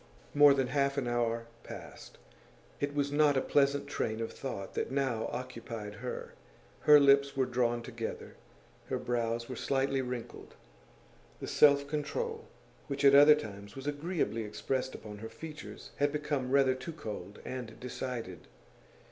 More than half an hour passed. It was not a pleasant train of thought that now occupied her. Her lips were drawn together, her brows were slightly wrinkled; the self control which at other times was agreeably expressed upon her features had become rather too cold and decided.